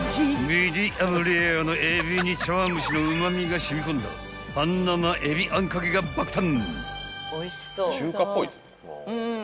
［ミディアムレアのえびに茶碗蒸しのうま味が染み込んだ半生えびあんかけが爆誕］